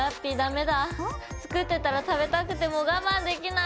作ってたら食べたくてもう我慢できない。